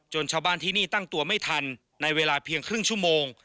ชาวบ้านที่นี่ตั้งตัวไม่ทันในเวลาเพียงครึ่งชั่วโมง